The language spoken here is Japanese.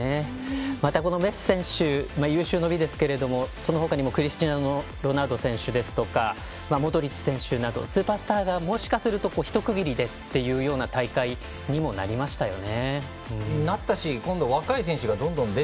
また、メッシ選手有終の美ですけどもそのほかにもクリスチアーノ・ロナウド選手だったりモドリッチ選手などスーパースターがもしかすると一区切りでというような大会にもなりましたよね。